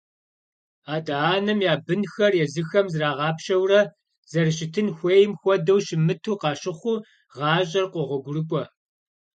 Адэ-анэм я бынхэр езыхэм зрагъапщэурэ, зэрыщытын хуейм хуэдэу щымыту къащыхъуу гъащӀэр къогъуэгурыкӀуэ.